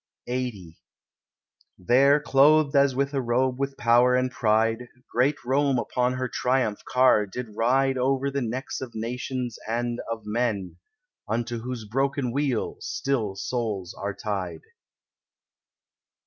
LXXX There, clothed as with a robe with power and pride, Great Rome upon her triumph car did ride Over the necks of nations and of men, Unto whose broken wheel still souls are tied.